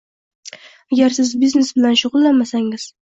Agar siz biznes bilan shugʻullanmasangiz